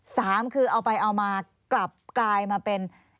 สามคือเอาไปเอามากลับกลายมาเป็น